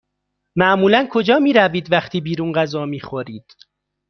معمولا کجا می روید وقتی بیرون غذا می خورید؟